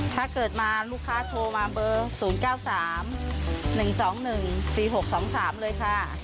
ถ้าเกิดมาลูกค้าโทรมาเบอร์๐๙๓๑๒๑๔๖๒๓เลยค่ะ